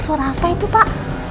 suara apa itu pak